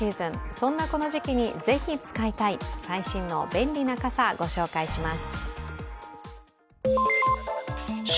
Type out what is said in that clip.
そんなこの時期にぜひ使いたい最新の便利な傘、ご紹介します。